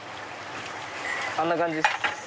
あんな感じです。